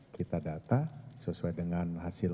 kita data sesuai dengan hasil